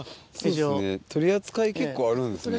そうですね取り扱い結構あるんですね。